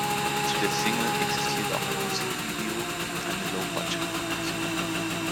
Zu der Single existiert auch ein Musikvideo, eine Low-Budget-Produktion.